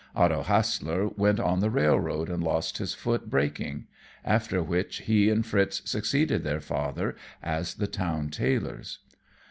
Otto Hassler went on the railroad and lost his foot braking; after which he and Fritz succeeded their father as the town tailors.